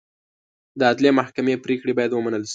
د عدلي محکمې پرېکړې باید ومنل شي.